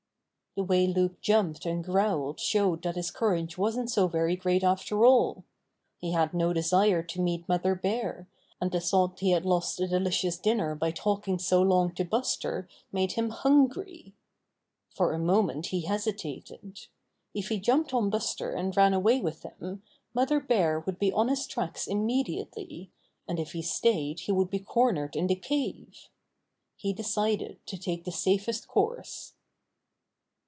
The way Loup jumped and growled showed that his courage wasn't so very great after all. He had no desire to meet Mother Bear, and the thought he had lost a delicious dinner by talking so long to Buster made him hungry. For a moment he hesitated. If he jumped on Buster and ran away with him, Mother Bear would be on his tracks immediately, and if he stayed he would be cornered in the cave. He decided to take the safest course.